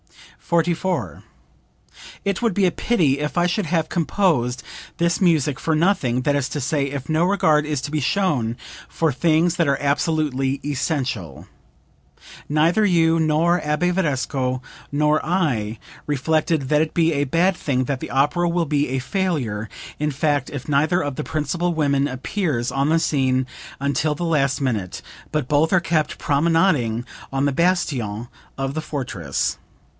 44. "It would be a pity if I should have composed this music for nothing, that is to say if no regard is to be shown for things that are absolutely essential. Neither you, nor Abbe Varesco, nor I, reflected that it will be a bad thing, that the opera will be a failure, in fact, if neither of the principal women appears on the scene until the last minute, but both are kept promenading on the bastion of the fortress.